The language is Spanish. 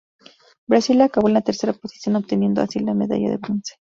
Brasil acabó en la tercera posición obteniendo así la medalla de bronce.